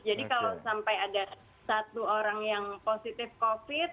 jadi kalau sampai ada satu orang yang positif covid